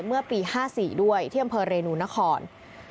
เมื่อปี๕๔ด้วยที่อำเภอเรนูนคร